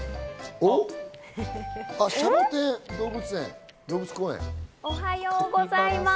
おはようございます！